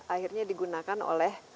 akhirnya digunakan oleh